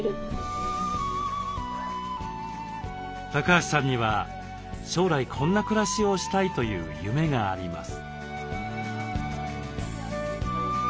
橋さんには将来こんな暮らしをしたいという夢があります。